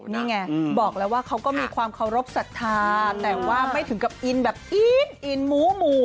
นี่ไงบอกแล้วว่าเขาก็มีความเคารพสัทธาแต่ว่าไม่ถึงกับอินแบบอินหมูหมู่